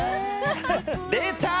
出た！